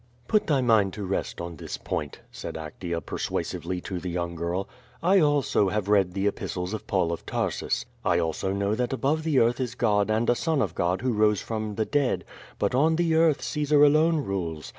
''Put thy mind to rest on this point," said Actea persua sively to the young girl. "I also have read the epistles of Paul of Tarsus; I also know that above the earth is God and a Son of God who rose from the dead, but on the earth Caesar alone rules.